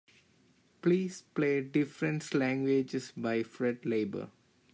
Please play Different Slanguages by Fred Labour.